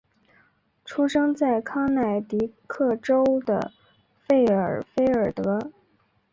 出生在康乃狄克州的费尔菲尔德。